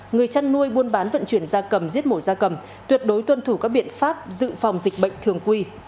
người chăn nuôi buôn bán vận chuyển da cầm giết mổ da cầm tuyệt đối tuân thủ các biện pháp dự phòng dịch bệnh thường quy